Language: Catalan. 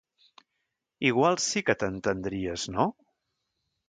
Igual sí que t'entendries, no?